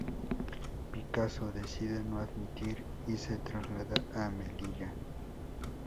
Picasso decide no dimitir y se traslada a Melilla.